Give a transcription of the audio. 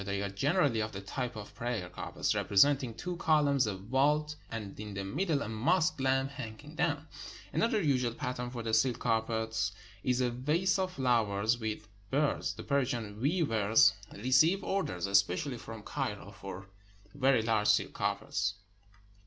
They are generally of the type of prayer carpets, repre senting two columns, a vault, and in the middle a mosque lamp hanging down. Another usual pattern for the silk carpets is a vase of flowers with birds. The Persian weavers receive orders, especially from Cairo, for very large silk carpets.